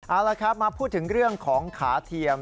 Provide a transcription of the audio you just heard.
เอาละครับมาพูดถึงเรื่องของขาเทียม